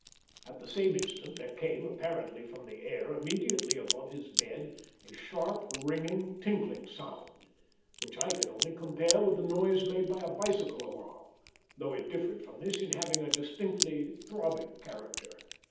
At the same instant there came, apparently from the air immediately above his bed, a sharp, ringing, tinkling sound, which I can only compare with the noise made by a bicycle alarm, though it differed from this in having a distinctly throbbing character.